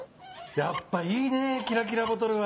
やっぱいいねキラキラボトルは。